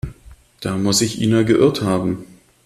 Da muss Ina sich geirrt haben.